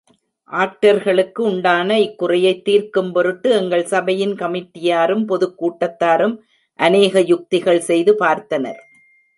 ஆக்டர்களுக்குண்டான இக்குறையைத் தீர்க்கும் பொருட்டு, எங்கள் சபையின் கமிட்டியாரும் பொதுக் கூட்டத்தாரும் அநேக யுக்திகள் செய்து பார்த்தனர்.